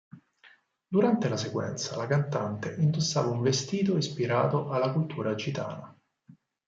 Durante la sequenza, la cantante indossava un vestito ispirato alla cultura gitana.